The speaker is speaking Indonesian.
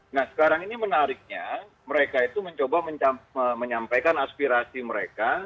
nah sekarang ini menariknya mereka itu mencoba menyampaikan aspirasi mereka